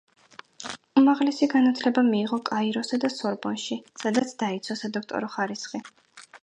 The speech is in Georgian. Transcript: უმაღლესი განათლება მიიღო კაიროსა და სორბონში, სადაც დაიცვა სადოქტორო ხარისხი.